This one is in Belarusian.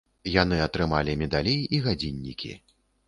Яны атрымалі медалі і гадзіннікі.